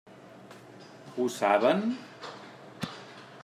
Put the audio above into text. Ho saben?